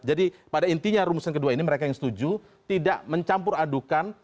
jadi pada intinya rumusan kedua ini mereka yang setuju tidak mencampur adukan